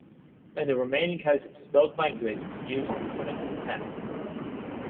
In the remaining cases, both languages use a simple past.